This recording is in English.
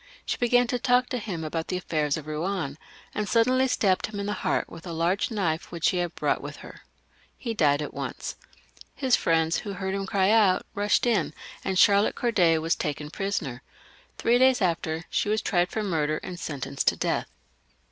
She began to talk to him about the affairs of Eouen, and suddenly stabbed him in the heart with a large knife which .she had brought with her. He died at once. His friends, who heard him cry out, rushed in, and Charlotte Corday was taken prisoner. Three days afterwards she was tried for murder, and sentenced to death.